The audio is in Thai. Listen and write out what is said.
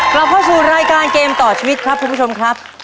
กลับเข้าสู่รายการเกมต่อชีวิตครับคุณผู้ชมครับ